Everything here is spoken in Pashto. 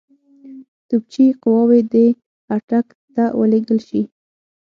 توپچي قواوې دي اټک ته ولېږل شي.